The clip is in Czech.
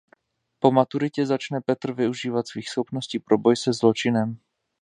Po maturitě začne Peter využívat svých schopností pro boj se zločinem.